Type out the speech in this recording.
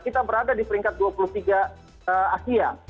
kita berada di peringkat dua puluh tiga asia